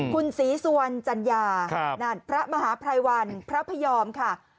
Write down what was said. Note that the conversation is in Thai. คุณศรีสุวรรณจัญญาพระมหาภัยวันพระพยอมค่ะ